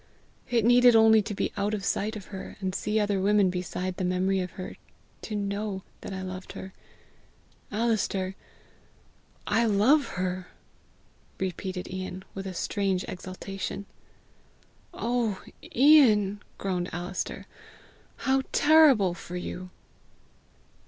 It needed only to be out of sight of her, and see other women beside the memory of her, to know that I loved her. Alister, I LOVE HER!" repeated Ian with a strange exaltation. "Oh, Ian!" groaned Alister; "how terrible for you!"